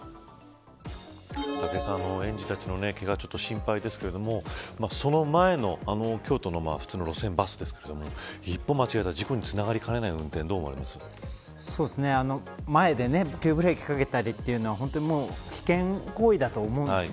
武井さん、園児たちのけが心配ですけれどもその前の京都の路線バスですけれども一歩間違えたら事故につながりかねない運転前で急ブレーキをかけたりというのは危険行為だと思うんです。